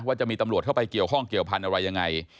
จะมีตำรวจเข้าไปเกี่ยวข้องเกี่ยวพันธุ์อะไรยังไง